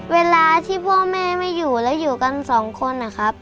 เวลาที่พ่อแม่ไม่อยู่แล้วอยู่กันสองคนนะครับ